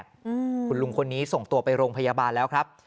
อืมคุณลุงคนนี้ส่งตัวไปโรงพยาบาลแล้วครับ